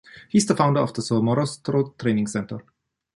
He’s the founder of the Somorrostro Training Center.